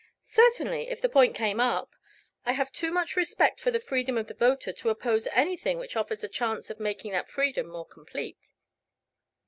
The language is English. "Certainly, if the point came up. I have too much respect for the freedom of the voter to oppose anything which offers a chance of making that freedom more complete."